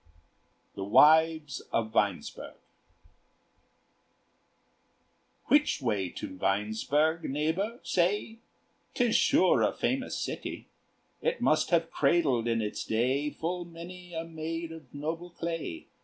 THE WIVES OF WEINSBERG Which way to Weinsberg? neighbor, say! 'Tis sure a famous city: It must have cradled, in its day, Full many a maid of noble clay.